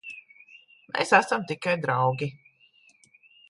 Mēs esam tikai draugi.